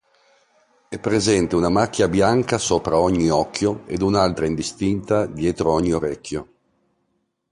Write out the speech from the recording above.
È presente una macchia bianca sopra ogni occhio ed un'altra indistinta dietro ogni orecchio.